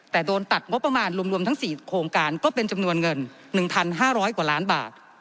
แต่โดนตัดงบประมาณรวมทั้ง๔โครงการก็เป็นจำนวนเงิน๑๕๐๐กว่าล้านบาท